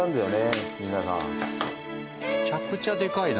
めちゃくちゃでかいな。